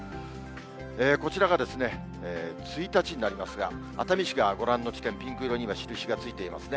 こちらが１日になりますが、熱海市がご覧の地点、ピンク色に今、印がついていますね。